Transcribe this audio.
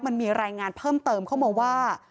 มันมีรายงานเพิ่มเติมเข้ามาว่า